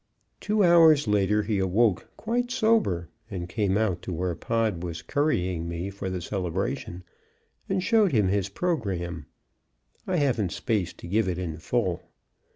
Two hours later he awoke quite sober, and came out to where Pod was currying me for the celebration, and showed him his programme. I haven't space to give it in full.